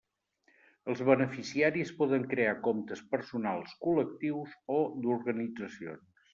Els beneficiaris poden crear comptes personals, col·lectius o d'organitzacions.